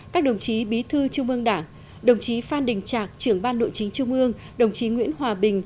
các đồng chí bí thư trung ương đảng đồng chí phan đình trạc trưởng ban nội chính trung ương đồng chí nguyễn hòa bình